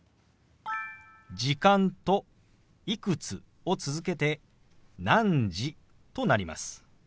「時間」と「いくつ」を続けて「何時」となります。